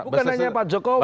bukan hanya pak jokowi